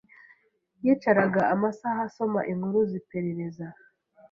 Yicaraga amasaha asoma inkuru ziperereza.